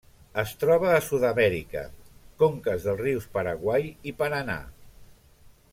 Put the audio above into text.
Es troba a Sud-amèrica: conques dels rius Paraguai i Paranà.